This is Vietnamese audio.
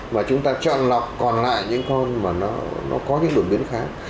và chúng ta chọn lọc còn lại những con mà nó có những đột biện kháng